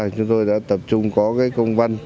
chúng tôi đã tập trung có công văn